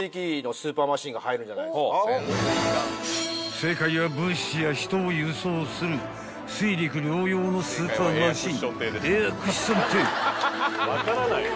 ［正解は物資や人を輸送する水陸両用のスーパーマシン］